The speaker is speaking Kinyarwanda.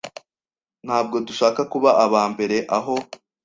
Ntabwo dushaka kuba abambere aho.